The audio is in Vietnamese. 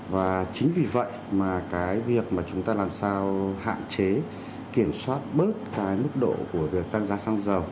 và chính vì vậy mà cái việc mà chúng ta làm sao hạn chế kiểm soát bớt cái mức độ của việc tăng giá xăng dầu